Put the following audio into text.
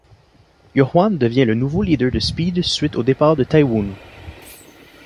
Yuhwan devient le nouveau leader de Speed suite au départ de Taewoon.